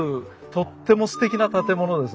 とってもすてきな建物です。